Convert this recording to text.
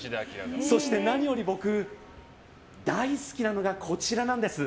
そして何より僕、大好きなのがこちらなんです。